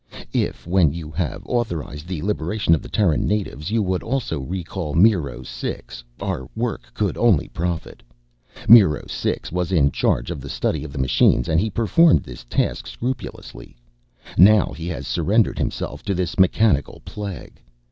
If, when you have authorized the liberation of the Terran natives, you would also recall MIRO CIX, our work could only profit. MIRO CIX was in charge of the study of the Machines and he performed this task scrupulously. Now he has surrendered himself to this mechanical plague.